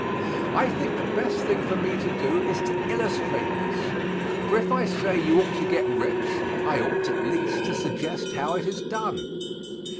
I think the best thing for me to do is to illustrate this, for if I say you ought to get rich, I ought, at least, to suggest how it is done.